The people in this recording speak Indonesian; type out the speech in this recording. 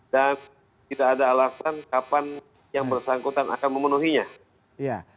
dan tidak ada alasan kapan yang bersangkutan akan memenuhinya